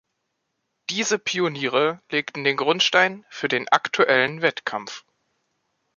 Diese Pioniere legten den Grundstein für den aktuellen Wettkampf.